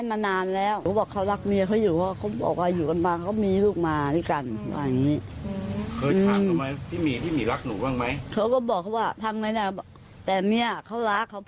บังเอิญไปเจอเมียเขาเออเขามาปิดอัพแหละ